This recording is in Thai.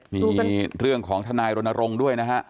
มีเรื่องของทนายรณรงค์ด้วยนะฮะ